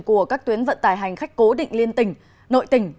của các tuyến vận tải hành khách cố định liên tỉnh nội tỉnh